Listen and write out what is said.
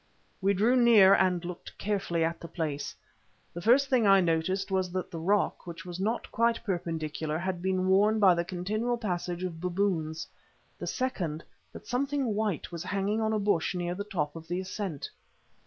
We drew near and looked carefully at the place. The first thing I noticed was that the rock, which was not quite perpendicular, had been worn by the continual passage of baboons; the second, that something white was hanging on a bush near the top of the ascent.